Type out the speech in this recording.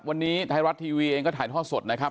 วัดทีวีเองก็ถ่ายท่อสดนะครับ